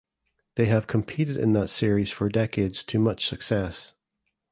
They have competed in that series for decades to much success.